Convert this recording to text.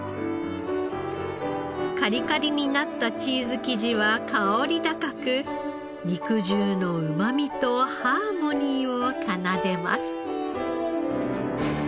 カリカリになったチーズ生地は香り高く肉汁のうまみとハーモニーを奏でます。